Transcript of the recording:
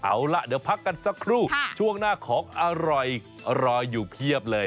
เอาล่ะเดี๋ยวพักกันสักครู่ช่วงหน้าของอร่อยรออยู่เพียบเลย